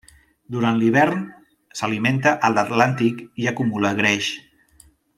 Durant l'hivern s'alimenta a l'Atlàntic i acumula greix.